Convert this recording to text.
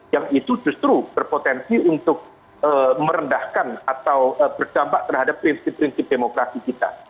yang itu justru berpotensi untuk merendahkan atau berdampak terhadap prinsip prinsip demokrasi kita